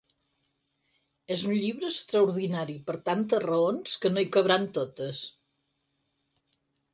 És un llibre extraordinari per tantes raons que no hi cabran totes.